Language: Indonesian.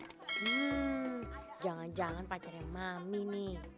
hmm jangan jangan pacarnya mami nih